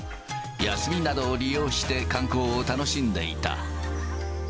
休みなどを利用して、観光を楽しんでいた。